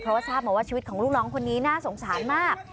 เพราะว่าทราบมาว่าชีวิตของลูกน้องคนนี้น่าสงสารมาก